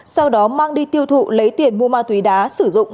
sau đó mang đi tiêu thụ lấy tiền mua ma túy đá sử dụng